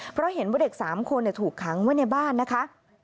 เพราะเห็นว่าเด็ก๓คนถูกขังไว้ในบ้านนะคะ